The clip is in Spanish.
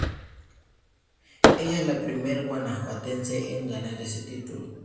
Ella es la primer Guanajuatense en ganar este título.